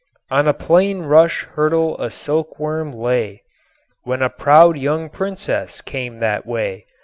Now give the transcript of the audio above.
On a plain rush hurdle a silkworm lay When a proud young princess came that way.